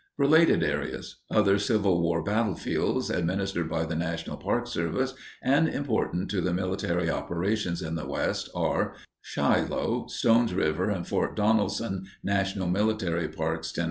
Related Areas Other Civil War battlefields administered by the National Park Service, and important to the military operations in the West, are: Shiloh, Stones River, and Fort Donelson National Military Parks, Tenn.